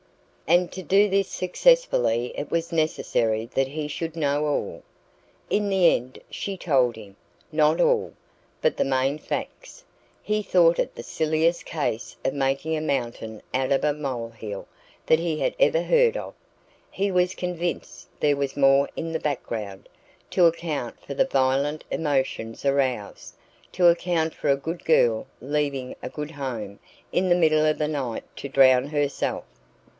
And to do this successfully it was necessary that he should know all. In the end she told him not all, but the main facts. He thought it the silliest case of making a mountain of a molehill that he had ever heard of. He was convinced there was more in the background, to account for the violent emotions aroused to account for a good girl leaving a good home in the middle of the night to drown herself.